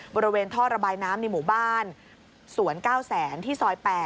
บริเวณท่อระบายน้ำในหมู่บ้านสวน๙แสนที่ซอย๘